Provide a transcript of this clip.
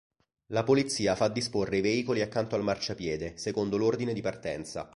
La polizia fa disporre i veicoli accanto al marciapiede, secondo l'ordine di partenza.